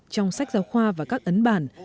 trong sách giáo khoa và các ấn bản